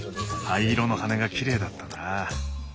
灰色の羽がきれいだったな。